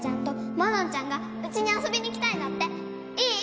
マノンちゃんがうちに遊びに来たいんだっていい？